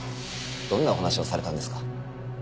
どんなお話をされたんですか？